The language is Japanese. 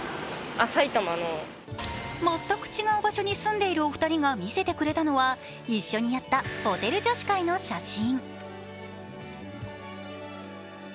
全く違う場所に住んでいるお二人が見せてくれたのは一緒にやったホテル女子会の写真。